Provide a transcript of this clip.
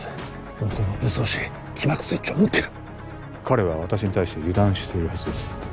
向こうは武装し起爆スイッチを持ってる彼は私に対して油断しているはずです